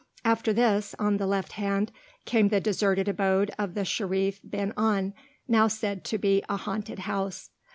After this, on the left hand, came the deserted abode of the Sherif bin Aun, now said to be a "haunted house."